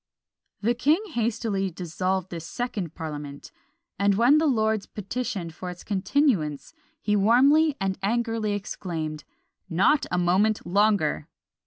The king hastily dissolved this second parliament; and when the lords petitioned for its continuance, he warmly and angrily exclaimed, "Not a moment longer!"